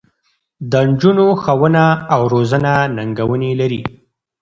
د نجونو ښوونه او روزنه ننګونې لري.